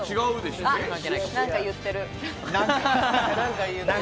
何か言ってる。